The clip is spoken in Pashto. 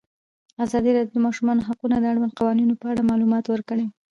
ازادي راډیو د د ماشومانو حقونه د اړونده قوانینو په اړه معلومات ورکړي.